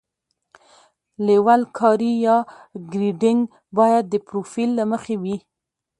لیول کاري یا ګریډینګ باید د پروفیل له مخې وي